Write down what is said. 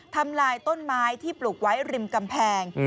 ทำลายต้นไม้ที่ปลูกไว้ริมกำแพง